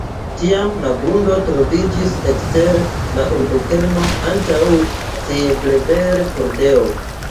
Tiam la grundo troviĝis ekster la urbokerno antaŭ Siebleber-pordeo.